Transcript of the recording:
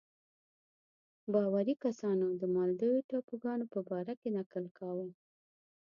باوري کسانو د مالدیو ټاپوګانو په باره کې نکل کاوه.